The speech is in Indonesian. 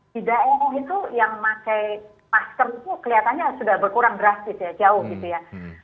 di daerah itu yang pakai masker itu kelihatannya sudah berkurang drastis ya jauh gitu ya